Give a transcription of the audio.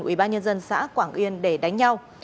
ủy ban nhân dân xã quảng yên để đánh nhau